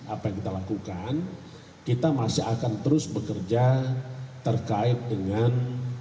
apa yang kita lakukan kita masih akan terus bekerja terkait dengan